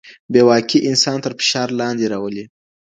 بې واکي انسان تر فشار لاندې راولي.